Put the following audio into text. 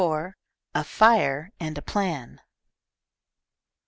A FIRE AND A PLAN.